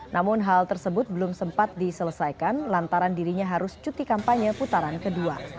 namun hal tersebut belum sempat diselesaikan lantaran dirinya harus cuti kampanye putaran kedua